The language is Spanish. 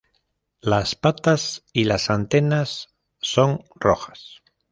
Las patas y las antenas son rojas.